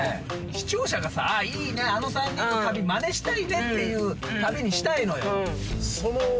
視聴者がさ「いいねあの３人の旅マネしたいね」っていう旅にしたいのよ